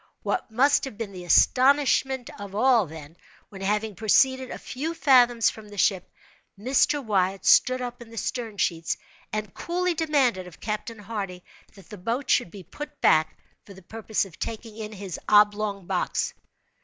What must have been the astonishment of all, then, when having proceeded a few fathoms from the ship, Mr. Wyatt stood up in the stern sheets, and coolly demanded of Captain Hardy that the boat should be put back for the purpose of taking in his oblong box!